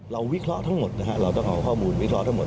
วิเคราะห์ทั้งหมดนะฮะเราต้องเอาข้อมูลวิเคราะห์ทั้งหมด